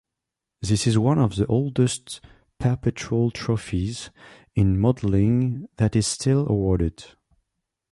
This is one of the oldest perpetual trophies in modeling that is still awarded.